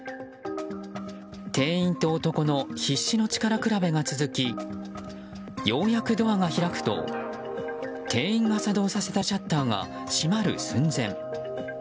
店員と男の必死の力比べが続きようやくドアが開くと店員が作動させたシャッターが閉まる寸前。